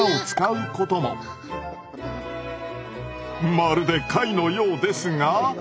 まるで貝のようですが。